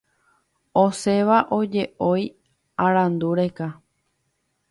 Osẽva oje’ói arandu reka;